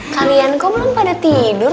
kalian kok belum pada tidur